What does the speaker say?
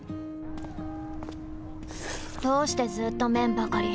どうしてずーっと麺ばかり！